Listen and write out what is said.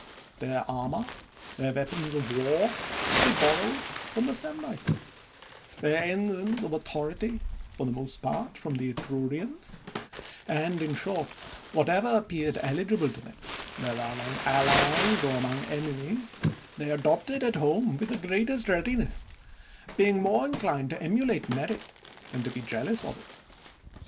Their armor, and weapons of war, they borrowed from the Samnites; their (»nsigns of authority, for the most part, from the Etrurians; and, in short, whatever appeared eligible to them, whether among allies or among enemies, they adopted at home with the greatest readiness, be ing more inclined to emulate merit than to be jealous of it.